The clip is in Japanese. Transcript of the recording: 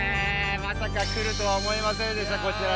まさか来るとは思いませんでしたこちらに。